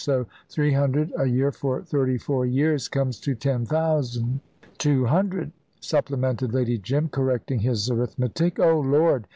So three hundred a year for thirty four years comes to ten thousand." "Two hundred," supplemented Lady Jim, correcting his arithmetic. "Oh, Lord!